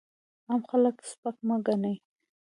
عام خلک سپک مه ګڼئ!